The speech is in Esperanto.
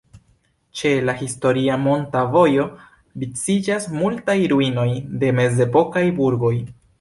Ĉe la historia "monta vojo" viciĝas multaj ruinoj de mezepokaj burgoj.